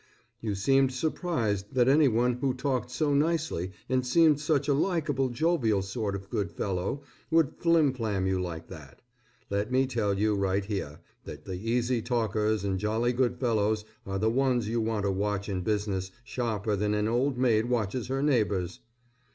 You seemed surprised that any one who talked so nicely and seemed such a likeable, jovial sort of good fellow, would flim flam you like that. Let me tell you right here, that the easy talkers and jolly good fellows, are the ones you want to watch in business sharper than an old maid watches her neighbors.